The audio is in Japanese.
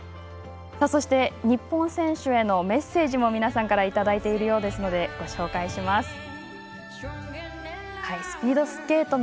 そして日本選手へのメッセージも皆さんからいただいているようなのでご紹介します。